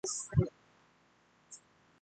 因為河水的密度愈來愈小